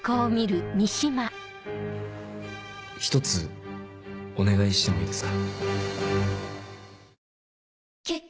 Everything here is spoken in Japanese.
一つお願いしてもいいですか？